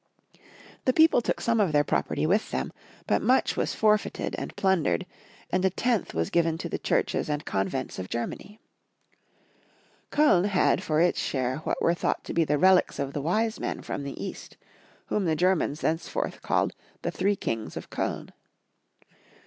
The people took some of their property with them, but jauch was forfeited and plundered, and a tenth was given to the churches and convents of Germany. Koln had for its share what were thought to be the relics of the Wise Men from the East, whom the Germans thenceforth called the Three Kings of Koln.